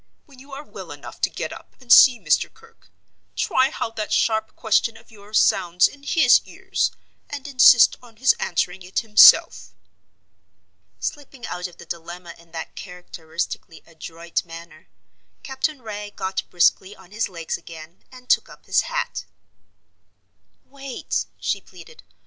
When you are well enough to get up and see Mr. Kirke, try how that sharp question of yours sounds in his ears, and insist on his answering it himself." Slipping out of the dilemma in that characteristically adroit manner, Captain Wragge got briskly on his legs again and took up his hat. "Wait!" she pleaded.